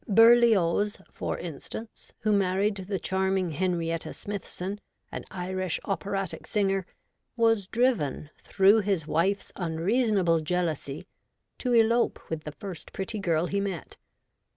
Berlioz, for instance, who married the charming Henrietta Smithson, an Irish operatic singer, was driven, through his wife's unreasonable jealousy, to elope with the first pretty girl he met.